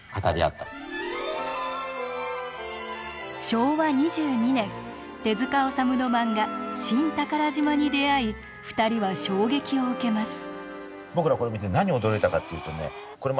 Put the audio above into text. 昭和２２年手治虫の漫画「新宝島」に出会い２人は衝撃を受けます。